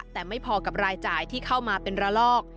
แต่ไม่พอกับรายจ่ายที่เข้ามาเป็นระลอก